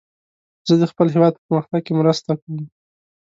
زه د خپل هیواد په پرمختګ کې مرسته کوم.